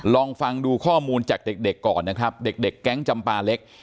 ลองฟังดูข้อมูลจากเด็กก่อนนะครับเด็กแก๊งจำปาเล็ก